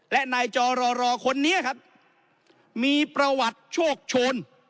และนายจรรคนนี้ครับมีประวัติโชคโชน